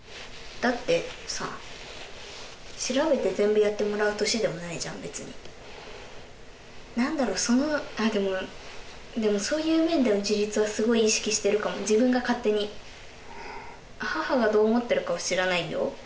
だってさ調べて全部やってもらう年でもないじゃん別に何だろうそのああでもでもそういう面での自立はすごい意識してるかも自分が勝手に母がどう思ってるかは知らないよ